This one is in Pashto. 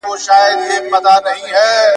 د پلار تر لاس لاندي وي